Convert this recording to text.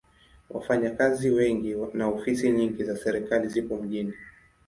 Wafanyakazi wengi na ofisi nyingi za serikali zipo mjini.